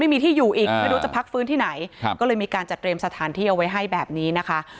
ไม่มีที่อยู่อีกไม่รู้จะพักฟื้นที่ไหนก็เลยมีการจัดเตรียมสถานที่เอาไว้ให้แบบนี้นะคะ